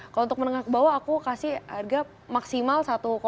kalau untuk menengah ke bawah aku kasih harga maksimal satu